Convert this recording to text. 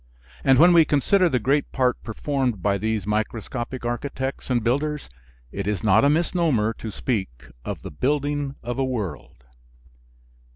And when we consider the great part performed by these microscopic architects and builders it is not a misnomer to speak of the building of a world.